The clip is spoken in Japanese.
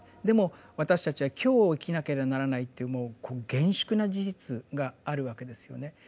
でも私たちは今日を生きなけりゃならないっていうもう厳粛な事実があるわけですよね。